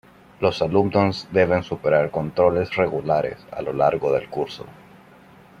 Los alumnos deben superar controles regulares a lo largo del curso.